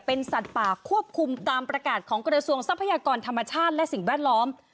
เป็นสัตว์ป่าควบคุมตามประกาศของกระทรวงทรัพยากรธรรมชาติและสิ่งแวดล้อม